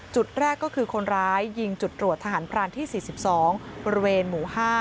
จุดแรกก็คือคนร้ายยิงจุดตรวจทหารพรานที่๔๒บริเวณหมู่๕